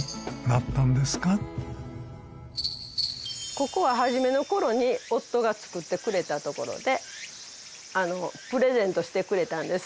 ここは初めの頃に夫が造ってくれた所でプレゼントしてくれたんです。